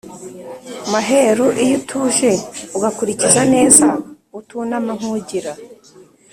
Maheru iyo utuje Ugakulikiza neza Utunama nkugira!